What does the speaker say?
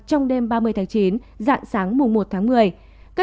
trong đêm ba mươi chín dạng sáng mùa một một mươi